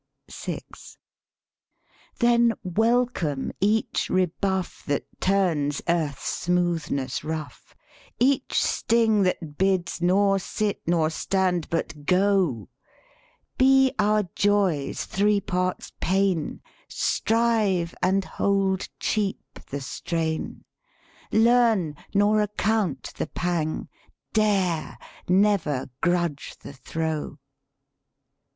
VI Then, welcome each rebuff That turns earth's smoothness rough, Each sting that bids nor sit nor stand but go ! Be our joys three parts pain! Strive and hold cheap the strain; Learn, nor account the pang ; dare, never grudge the throe!